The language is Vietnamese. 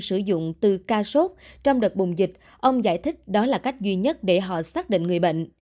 sử dụng từ ca sốt trong đợt bùng dịch ông giải thích đó là cách duy nhất để họ xác định người bệnh